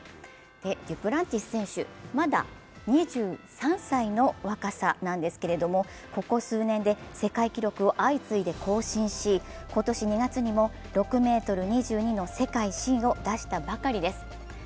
デュプランティス選手、まだ２３歳の若さなんですけれども、ここ数年で世界記録を相次いで更新し今年２月にも６ｍ２２の世界新を出したばかりです。